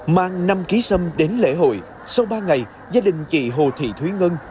mang năm ký sâm đến lễ hội sau ba ngày gia đình chị hồ thị thúy ngân